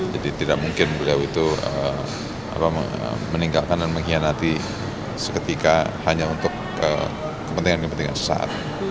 jadi tidak mungkin beliau itu meninggalkan dan mengkhianati seketika hanya untuk kepentingan kepentingan sesaat